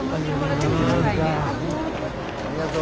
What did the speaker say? ありがとう。